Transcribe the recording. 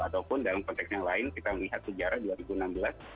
ataupun dalam konteks yang lain kita melihat sejarah dua ribu enam belas